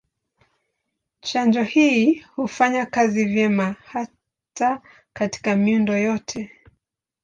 Chanjo hii hufanya kazi vyema hata katika miundo yote.